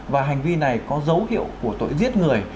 và hành vi này có dấu hiệu của tội giết người